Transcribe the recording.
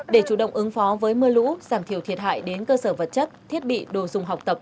để chủ động ứng phó với mưa lũ giảm thiểu thiệt hại đến cơ sở vật chất thiết bị đồ dùng học tập